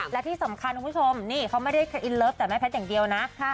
และที่สำคัญคุณผู้ชมนี่เขาไม่ได้อินเลิฟแต่แม่แพทย์อย่างเดียวนะ